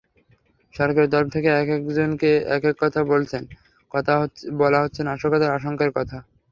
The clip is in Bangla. সরকারের তরফ থেকে একেকজন একেক কথা বলছেন, বলা হচ্ছে নাশকতার আশঙ্কার কথা।